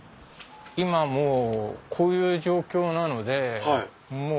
今もうこういう状況なので。